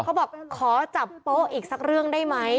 เขาบอกขอจับโป๊ะอีกสักเรื่องได้ไหม